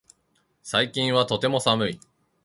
最近はとても寒い